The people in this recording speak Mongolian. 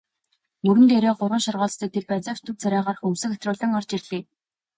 Мөрөн дээрээ гурван шоргоолжтой тэр байцаагч төв царайгаар хөмсөг атируулан орж ирлээ.